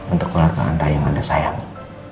untuk keluarga anda yang anda sayangi